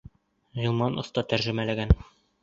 Ғилман оҫта тәржемәләгән.